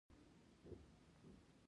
ما غوښتل همدا کار وکړم".